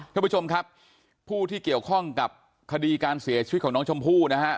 ท่านผู้ชมครับผู้ที่เกี่ยวข้องกับคดีการเสียชีวิตของน้องชมพู่นะฮะ